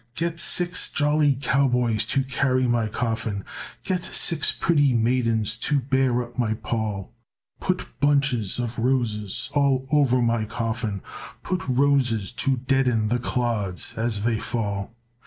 "Get six jolly cowboys to carry my coffin; Get six pretty maidens to bear up my pall. Put bunches of roses all over my coffin, Put roses to deaden the clods as they fall.